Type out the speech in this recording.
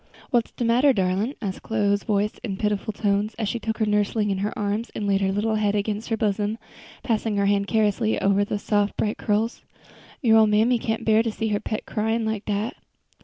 "What's de matter, darlin'?" asked Chloe's voice in pitiful tones, as she took her nursling in her arms and laid her little head against her bosom, passing her hand caressingly over the soft bright curls; "your ole mammy can't bear to see her pet cryin' like dat."